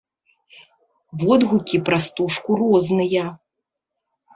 Водгукі пра стужку розныя.